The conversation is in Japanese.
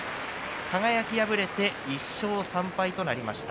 輝、敗れて１勝３敗となりました。